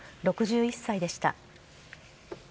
６１歳でした。